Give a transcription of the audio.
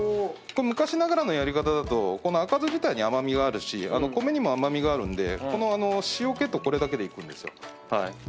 昔ながらのやり方だとこの赤酢自体に甘味があるし米にも甘味があるんでこの塩気とこれだけでいくんですよ。